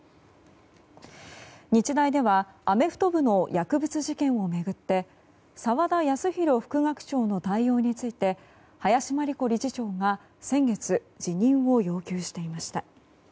日大ではアメフト部の薬物事件を巡って澤田康広副学長の対応について林真理子理事長が先月辞任を要求していました。